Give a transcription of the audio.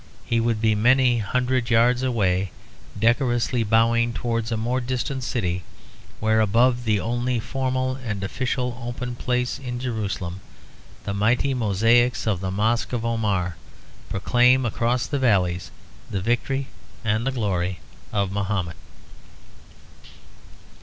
He would be many hundred yards away, decorously bowing towards a more distant city; where, above the only formal and official open place in Jerusalem, the mighty mosaics of the Mosque of Omar proclaim across the valleys the victory and the glory of Mahomet.